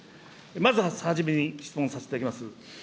まずはじめに質問させていただきます。